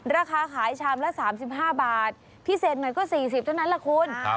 ราคาขายชามละ๓๕บาทพิเศษหน่อยก็๔๐เท่านั้นแหละคุณ